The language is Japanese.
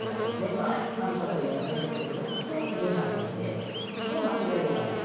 まあ例えば４三玉と逃げますと２三飛成でこれは間違いようがないですね。